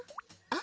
あ？